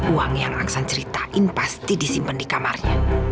uang yang aksan ceritain pasti disimpan di kamarnya